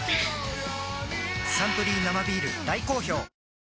「サントリー生ビール」大好評